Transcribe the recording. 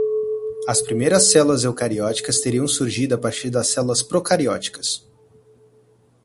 As primeiras células eucarióticas teriam surgido a partir das células procarióticas